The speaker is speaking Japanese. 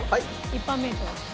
一般名称です。